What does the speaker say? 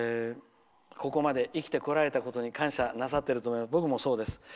ここまで生きてこられたことに感謝なさってると思います。